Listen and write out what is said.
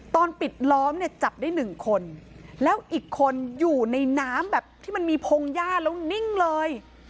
ตอนปิดล้อมเนี่ยจับได้หนึ่งคนแล้วอีกคนอยู่ในน้ำแบบที่มันมีพงหญ้าแล้วนิ่งเลย